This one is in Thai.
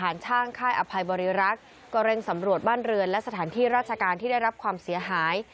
ช่างค่ายอภัยบริรักษ์ก็เร่งสำรวจบ้านเรือนและสถานที่ราชการที่ได้รับความเสียหาย